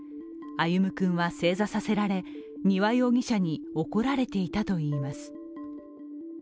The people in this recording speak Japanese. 歩夢君は正座させられ、丹羽容疑者に怒られていたといいます。